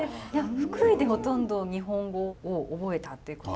福井でほとんど日本語を覚えたってこと？